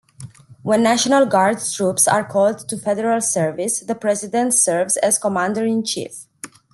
When National Guard troops are called to federal service, the President serves as Commander-in-Chief.